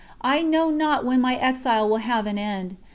I know not when my exile will have an end.